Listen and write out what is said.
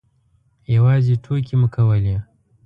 یوازې ټوکې مو کولې.